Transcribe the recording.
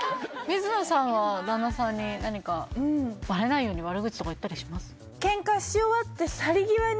水野さんは旦那さんに何かバレないように悪口とか言ったりします？